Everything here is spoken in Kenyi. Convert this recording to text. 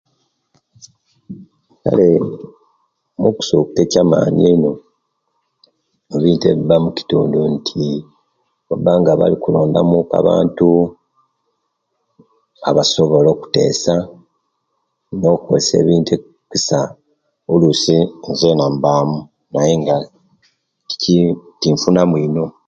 Kale okusoka ekiyamakulu eino ebintu ebiba mukitundu inti balikulonda mu abantu abasobola okutesa nokoeyesa ebintu okusa nzena nbamu neye nga tici tinfunamu ino